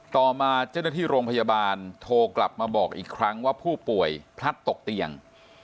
ต่อมาเจ้าหน้าที่โรงพยาบาลโทรกลับมาบอกอีกครั้งว่าผู้ป่วยพลัดตกเตียง